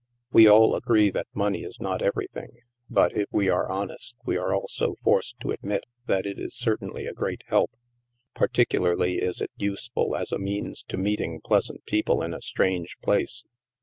We all agree that money is not ever}ihing, but, if we are honest, we are also forced to admit that it is certainly a great help. Particularly is it use ful as a means to meeting pleasant people in a strange place.